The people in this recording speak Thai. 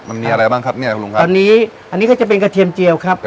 มันมีอะไรบ้างครับเนี่ยคุณลุงครับตอนนี้อันนี้ก็จะเป็นกระเทียมเจียวครับ